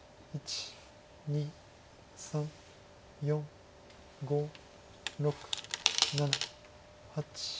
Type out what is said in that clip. ２３４５６７８。